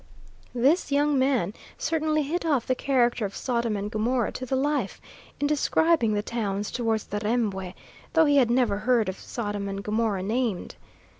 This young man certainly hit off the character of Sodom and Gomorrah to the life, in describing the towns towards the Rembwe, though he had never heard Sodom and Gomorrah named.